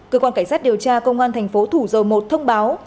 cơ quan cảnh sát điều tra công an thành phố thủ dầu một thông báo